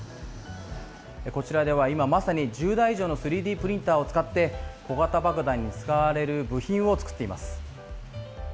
こちらでは、今まさに１０台以上の３Ｄプリンターを使って小型爆弾に使われる部品を作っています。